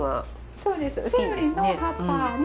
そうですね。